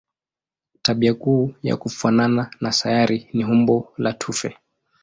Tabia kuu ya kufanana na sayari ni umbo la tufe.